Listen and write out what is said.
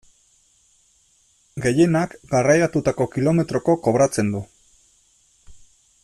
Gehienak garraiatutako kilometroko kobratzen du.